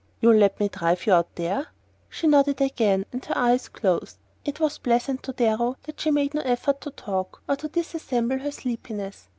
"You'll let me drive you there?" She nodded again, and her eyes closed. It was very pleasant to Darrow that she made no effort to talk or to dissemble her sleepiness.